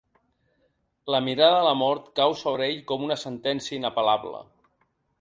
La mirada de la mort cau sobre ell com una sentència inapel·lable.